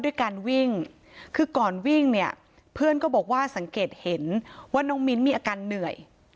ด้วยการวิ่งคือก่อนวิ่งเนี่ยเพื่อนก็บอกว่าสังเกตเห็นว่าน้องมิ้นมีอาการเหนื่อย